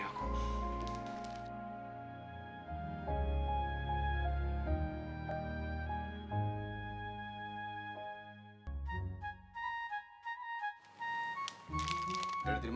sekarang tolong terima bunga dari aku